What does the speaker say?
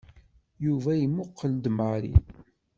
Yuba imuqel-d Mary.